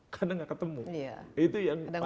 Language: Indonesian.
karena gak ketemu itu yang